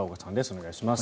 お願いします。